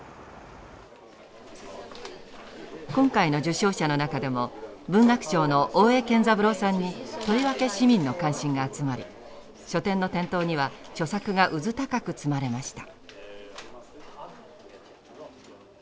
今回の受賞者の中でも文学賞の大江健三郎さんにとりわけ市民の関心が集まり書店の店頭には著作がうずたかく積まれました。